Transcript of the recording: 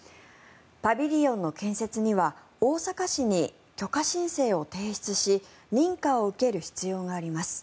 パビリオンの建設には大阪市に許可申請を提出し認可を受ける必要があります。